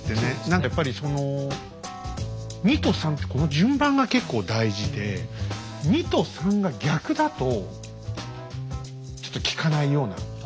何かやっぱりその２と３ってこの順番が結構大事で２と３が逆だとちょっと効かないような。